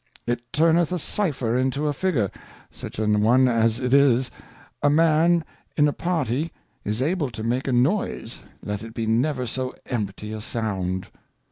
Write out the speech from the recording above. It turneth a Cypher into a Figure, such an one as it is : A man in a Party is able to make a noise, let it be never so empty a sound.